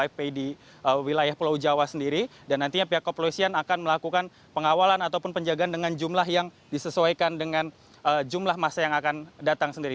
fpi di wilayah pulau jawa sendiri dan nantinya pihak kepolisian akan melakukan pengawalan ataupun penjagaan dengan jumlah yang disesuaikan dengan jumlah masa yang akan datang sendiri